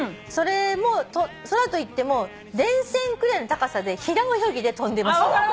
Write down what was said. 「それも空といっても電線くらいの高さで平泳ぎで飛んでます」